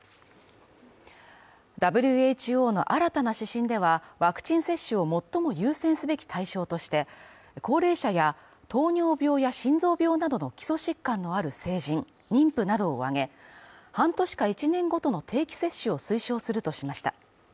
ＷＨＯの新たな指針では、ワクチン接種を最も優先すべき対象として高齢者や糖尿病や心臓病などの基礎疾患のある成人妊婦などを挙げ、半年か１年ごとの定期接種を推奨するとしました。